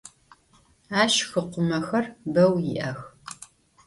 Ащ хыкъумэхэр бэу иӏэх.